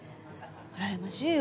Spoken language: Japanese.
うらやましいよ。